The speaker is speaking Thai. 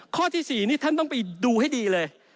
ข้อที่๔นี่ท่านต้องไปดูให้ดีเลย